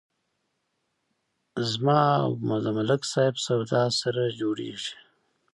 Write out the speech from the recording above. زما او د ملک صاحب سودا سره جوړیږي.